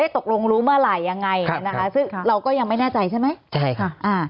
ตกลงรู้เมื่อไหร่ยังไงนะคะซึ่งเราก็ยังไม่แน่ใจใช่ไหมใช่ค่ะ